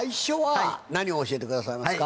何を教えてくださいますか？